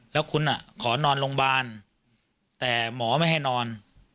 แล้วคุณขอนอนโรงพยาบาลแต่หมอไม่ให้นอน